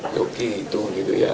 yogi itu gitu ya